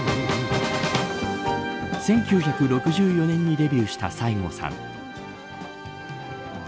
１９６４年にデビューした西郷さん。